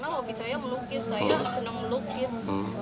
karena hobi saya melukis saya senang melukis